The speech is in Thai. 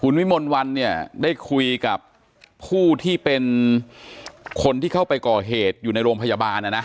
วิมลวันเนี่ยได้คุยกับผู้ที่เป็นคนที่เข้าไปก่อเหตุอยู่ในโรงพยาบาลนะนะ